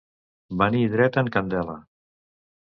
Venir dret en candela.